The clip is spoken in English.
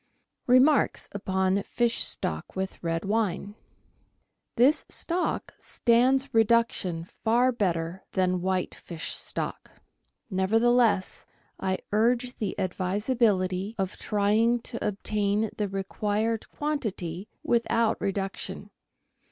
Remarks upon Fish Stock with Red Wine. — This stock stands reduction far better than white fish stock. Nevertheless, I urge the advisability of trying to obtain the required quantity without reduction.